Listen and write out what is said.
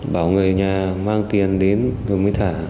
bảo người nhà mang tiền đến rồi mới thả